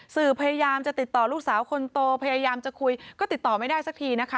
พยายามจะติดต่อลูกสาวคนโตพยายามจะคุยก็ติดต่อไม่ได้สักทีนะคะ